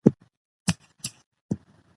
د ژوندون شېبې دي الوزي له لاسه